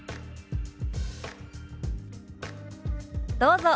どうぞ。